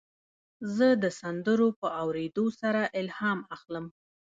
زه د سندرو په اورېدو سره الهام اخلم.